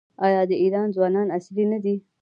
آیا د ایران ځوانان عصري نه دي؟